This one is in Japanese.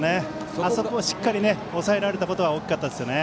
あそこをしっかり抑えられたことは大きかったですね。